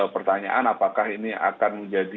pertanyaan apakah ini akan menjadi